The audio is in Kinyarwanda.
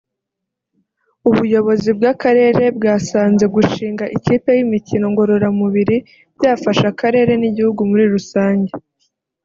ubuyobozi bw’akarere bwasanze gushinga ikipe y’imikino ngororamubiri byafasha akarere n’igihugu muri rusange